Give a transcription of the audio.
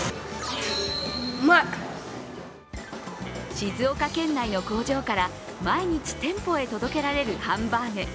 静岡県内の工場から毎日店舗へ届けられるハンバーグ。